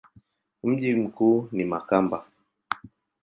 Mji mkuu ni Makamba.